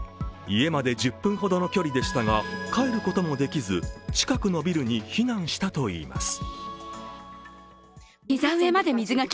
家まで１０分ほどの距離でしたが帰ることもできず近くのビルに避難したといいます。